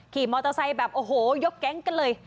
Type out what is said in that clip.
ขี่มอเตอร์ไซค์แบบโอ้โหยกแก๊งกันเลย